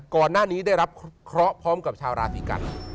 ก่อนหน้านี้ได้รับเคราะห์พร้อมกับชาวราศีกัน